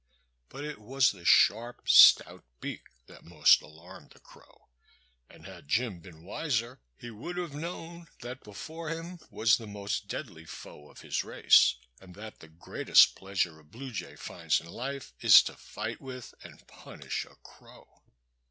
But it was the sharp, stout beak that most alarmed the crow, and had Jim been wiser he would have known that before him was the most deadly foe of his race, and that the greatest pleasure a Blue Jay finds in life is to fight with and punish a crow.